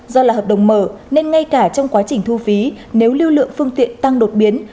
do là hợp đồng mở nên ngay cả trong quá trình thu phí nếu lưu lượng phương tiện tăng đột biến